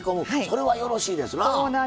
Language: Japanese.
それはよろしいですな。